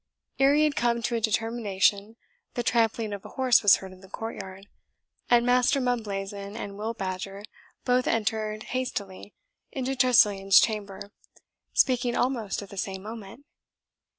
Ere he had come to a determination, the trampling of a horse was heard in the courtyard, and Master Mumblazen and Will Badger both entered hastily into Tressilian's chamber, speaking almost at the same moment.